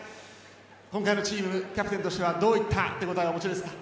今回のチームキャプテンとしてはどういった手応えをお持ちですか。